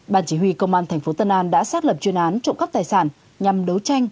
bàn chỉ huy công an tp tân an đã xác lập chuyên án trộm cắp tài sản nhằm đấu tranh